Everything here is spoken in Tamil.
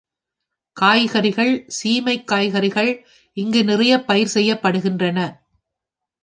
காய் கறிகள் சீமைக் காய்கறிகள் இங்கு நிறையப் பயிர் செய்யப்படுகின்றன.